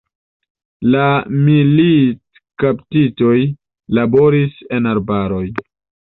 La militkaptitoj laboris en arbaroj.